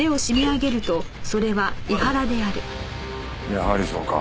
やはりそうか。